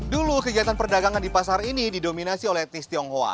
dulu kegiatan perdagangan di pasar ini didominasi oleh tis tionghoa